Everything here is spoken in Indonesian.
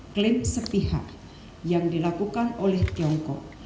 klaim sepihak yang dilakukan oleh tiongkok